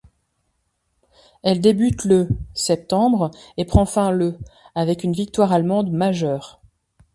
Elle débute le septembre et prend fin le avec une victoire allemande majeure.